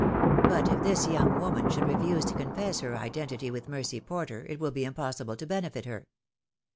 "But if this young woman should refuse to confess her identity with Mercy Porter it will be impossible to benefit her."